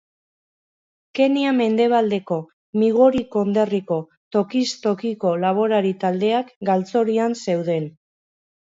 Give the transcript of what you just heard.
Kenya mendebaldeko Migori konderriko tokiz tokiko laborari taldeak galtzorian zeuden.